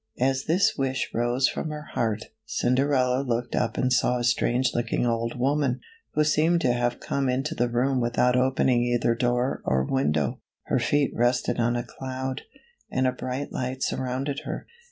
As this wish rose from her heart, Cinderella looked up and saw a strange looking old woman, who seemed to have come into the room without opening either door or window. H er feet rested on a cloud, and a bright light surrounded her.